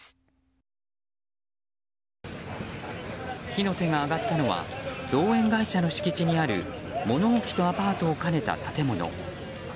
火の手が上がったのは造園会社の敷地にある物置とアパートを兼ねた建物。